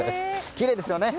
きれいですよね。